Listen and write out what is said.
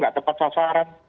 gak tepat sasaran